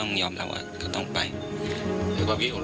อันดับ๖๓๕จัดใช้วิจิตร